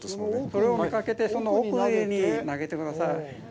これを目がけてその奥に投げてください。